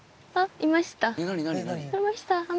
いました。